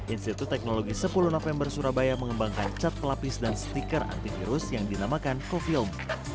institut teknologi sepuluh november surabaya mengembangkan cat pelapis dan stiker antivirus yang dinamakan coffium